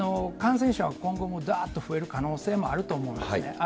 感染者は今後もだーっと増える可能性もあると思うんですね。